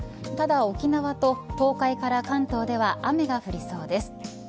ただ、沖縄と東海から関東では雨が降りそうです。